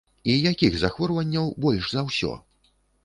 І якіх захворванняў больш за ўсё?